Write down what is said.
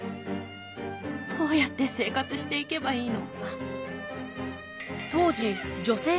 どうやって生活していけばいいの。